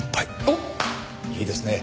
おっいいですね。